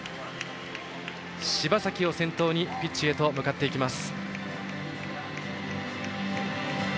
柴崎を先頭にピッチへと向かっていきます。